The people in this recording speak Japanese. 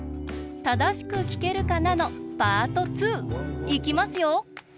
「ただしくきけるかな」のパート２！いきますよ！